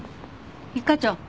一課長。